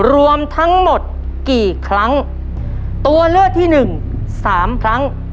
รวมทั้งหมดกี่ครั้งตัวเลือกที่หนึ่งสามครั้ง